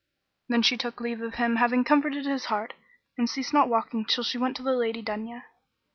Then she took leave of him having comforted his heart, and ceased not walking till she went in to the Lady Dunya.